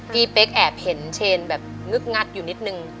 เป๊กแอบเห็นเชนแบบงึกงัดอยู่นิดนึง